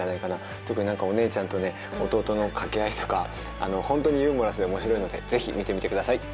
特にお姉ちゃんとね弟の掛け合いとかあのホントにユーモラスでおもしろいのでぜひ見てみてください。